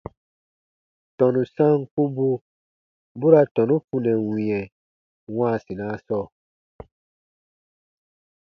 Tɔnu sankubu bu ra tɔnu funɛ wĩɛ wãasinaa sɔɔ.